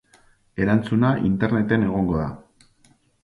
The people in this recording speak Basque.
Erantzuna Interneten egongo da.